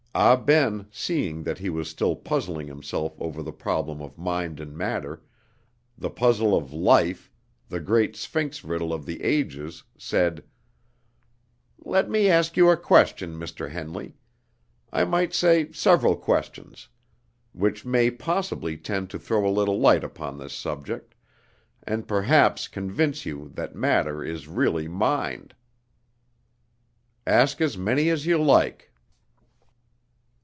Ah Ben, seeing that he was still puzzling himself over the problem of mind and matter, the puzzle of life, the great sphinx riddle of the ages, said: "Let me ask you a question, Mr. Henley I might say several questions which may possibly tend to throw a little light upon this subject, and perhaps convince you that matter is really mind." "Ask as many as you like."